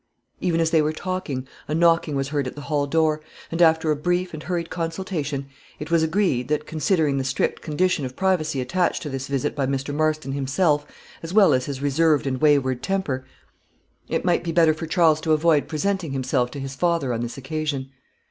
Even as they were talking, a knocking was heard at the hall door, and after a brief and hurried consultation, it was agreed, that, considering the strict condition of privacy attached to this visit by Mr. Marston himself, as well as his reserved and wayward temper, it might be better for Charles to avoid presenting himself to his father on this occasion.